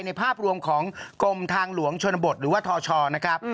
ภาพรวมของกรมทางหลวงชนบทหรือว่าทชนะครับ